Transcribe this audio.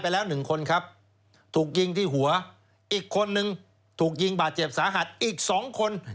แล้วก็เจ้าของ